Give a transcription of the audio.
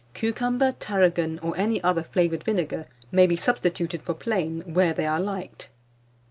Cucumber, Tarragon, or any other flavoured vinegar, may be substituted for plain, where they are liked.